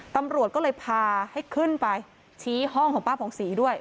ตำรวจก็เลยพาให้ขึ้นไปชี้ห้องของป้าผ่องศรีด้วย